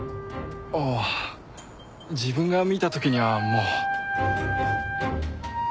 ああ自分が見た時にはもう。